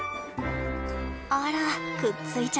あらくっついちゃって。